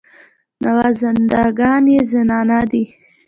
نوازنده ګان یې زنانه دي.